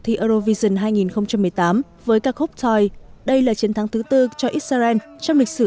thi eurovision hai nghìn một mươi tám với ca khúc toy đây là chiến thắng thứ tư cho israel trong lịch sử